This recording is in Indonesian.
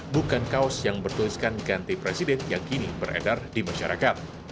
bukan kaos yang bertuliskan ganti presiden yang kini beredar di masyarakat